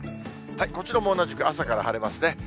こちらも同じく、朝から晴れますね。